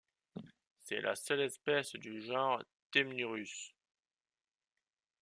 C'est la seule espèce du genre Temnurus.